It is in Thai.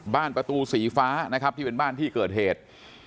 บ้านประตูสีฟ้านะครับที่เป็นบ้านที่เกิดเหตุ